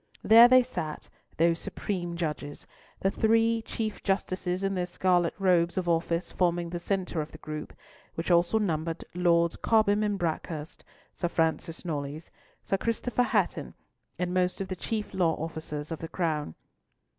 There they sat, those supreme judges, the three Chief Justices in their scarlet robes of office forming the centre of the group, which also numbered Lords Cobham and Buckhurst, Sir Francis Knollys, Sir Christopher Hatton, and most of the chief law officers of the Crown.